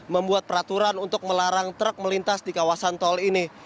membuat peraturan untuk melarang truk melintas di kawasan tol ini